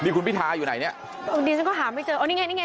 คุณพิทาอยู่ไหนเนี่ยดิฉันก็หาไม่เจออ๋อนี่ไงนี่ไง